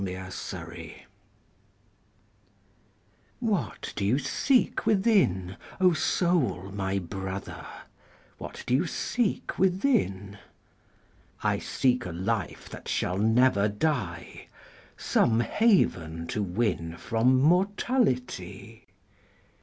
Introversion WHAT do you seek within, O Soul, my Brother? What do you seek within?I seek a Life that shall never die, Some haven to winFrom mortality.